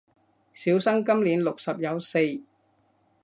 小生今年六十有四